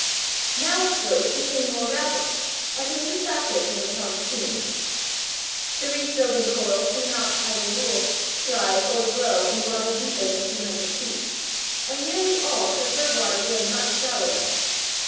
Now its growth became more rapid as a new factor came upon the scene. The reef building corals do not, as a rule, thrive or grow in water deeper than two hundred feet, and nearly all prefer water very much shallower.